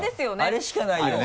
あれしかないよね？